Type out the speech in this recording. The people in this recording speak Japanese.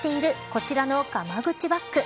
こちらの、がま口バッグ。